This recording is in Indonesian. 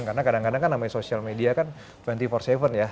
karena kadang kadang kan namanya social media kan dua puluh empat tujuh ya